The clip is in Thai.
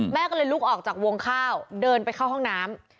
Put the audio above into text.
แม่ก็เลยลุกออกจากวงข้าวเดินไปเข้าห้องน้ำ